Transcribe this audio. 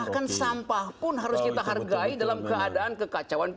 bahkan sampah pun harus kita hargai dalam keadaan kekacauan